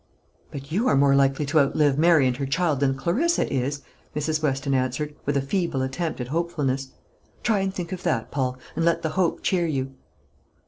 "But you are more likely to outlive Mary and her child than Clarissa is," Mrs. Weston answered, with a feeble attempt at hopefulness; "try and think of that, Paul, and let the hope cheer you."